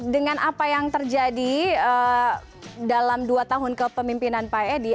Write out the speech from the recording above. dengan apa yang terjadi dalam dua tahun kepemimpinan pak edi